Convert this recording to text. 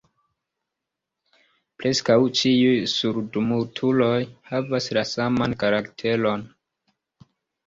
Preskaŭ ĉiuj surdmutuloj havas la saman karakteron.